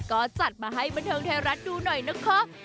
ก็จัดมาให้บันเทิงไทยรัฐดูหน่อยนะครับ